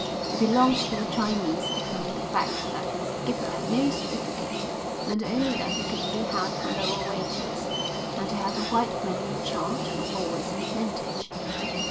It belonged to a Chinese to whom the fact that his skipper had no certificate meant only that he could be had for lower wages, and to have a white man in charge was always an advantage.